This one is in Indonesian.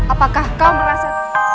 apakah kau merasa